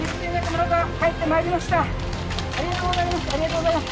ありがとうございます。